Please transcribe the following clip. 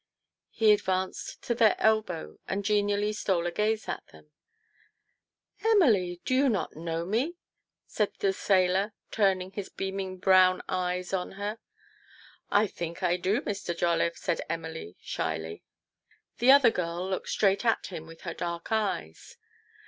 He advanced to their elbow, and genially stole a gaze at them. u Emily, you don't know me ?" said the sailor, turning his beaming brown eyes on her. "I think I do, Mr Jolliffe," said Emily, shyly. io 4 TO PLEASE HIS WIFE. The other girl looked straight at him with her dark e}'es.